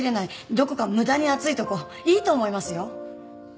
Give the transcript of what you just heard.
どこか無駄に熱いとこいいと思いますよ。